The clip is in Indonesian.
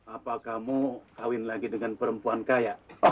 apakah kamu kahwin lagi dengan perempuan kaya